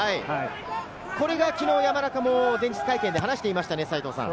これはきのう、山中も前日会見で話していましたね。